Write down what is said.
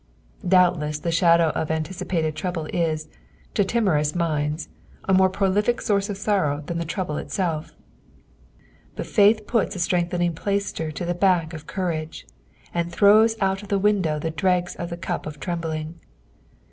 Doubtless the ahadow of anticipated trouble is, to timorous minda, a more prolific source of sorrow than the trouble itself, but faith puts a strengthening pUistertotheback of courage, and throws out of the window the dregs of the cup of trembling.